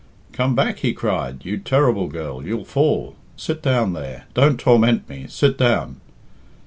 "Come back," he cried. "You terrible girl, you'll fall. Sit down there don't torment me, sit down."